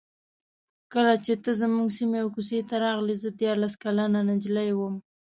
کله چې ته زموږ سیمې او کوڅې ته راغلې زه دیارلس کلنه نجلۍ وم.